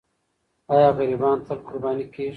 آیا غریبان تل قرباني کېږي؟